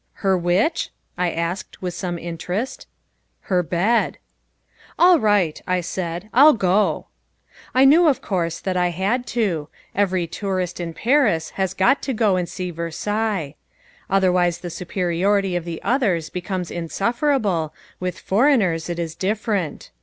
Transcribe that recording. "Her which," I asked, with some interest. "Her bed." "All right," I said, "I'll go." I knew, of course, that I had to. Every tourist in Paris has got to go and see Versailles. Otherwise the superiority of the others becomes insufferable, with foreigners it is different.